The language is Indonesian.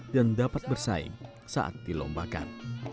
dan dapat bersaing saat dilombakan